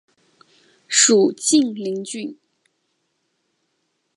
属晋陵郡。